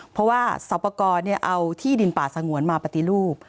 เพราะว่าสอบประกอบเอาที่ดินป่าสงวนมาปฏิรูป